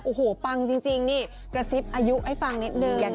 โอ้โหปังจริงนี่กระซิบอายุให้ฟังนิดนึง